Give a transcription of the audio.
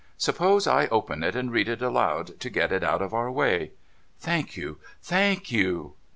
' Suppose I open it and read it aloud, to get it out of our way ?'' Thank you, thank you.'